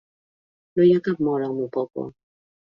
No hi ha cap mort al meu poble.